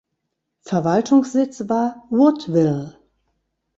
Verwaltungssitz war Woodville.